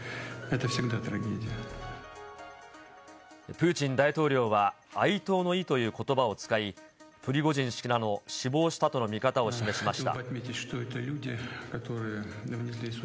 プーチン大統領は哀悼の意ということばを使い、プリゴジン氏ら、死亡したとの見方を示しました。